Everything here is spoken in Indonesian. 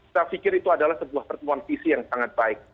saya pikir itu adalah sebuah pertemuan visi yang sangat baik